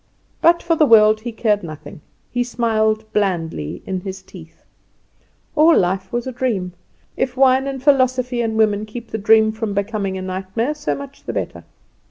But for the world he cared nothing; he smiled blandly in its teeth. All life is a dream; if wine and philosophy and women keep the dream from becoming a nightmare, so much the better.